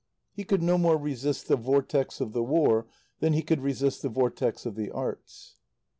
He could no more resist the vortex of the War than he could resist the vortex of the arts.